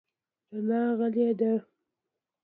رڼا غلې ده .